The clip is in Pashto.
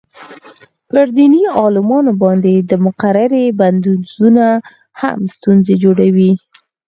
پر دیني عالمانو باندې د مقررې بندیزونو هم ستونزې جوړې کړې.